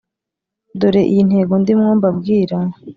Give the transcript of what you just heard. dore iyi ntego ndimwo mbabwira